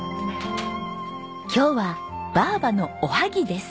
今日は「ばぁばのおはぎ」です。